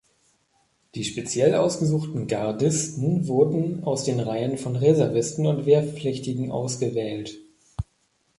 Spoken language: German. Die speziell ausgesuchten Gardisten wurden aus den Reihen von Reservisten und Wehrpflichtigen ausgewählt.